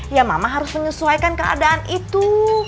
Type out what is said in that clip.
ya mama harus menyesuaikan keadaan itu